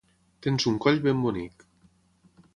Tens un coll ben bonic.